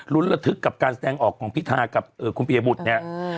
ระทึกกับการแสดงออกของพิธากับคุณปียบุตรเนี่ย